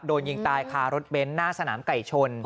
โดนยิงตายคารถเบนท์หน้าสนามไก่ชน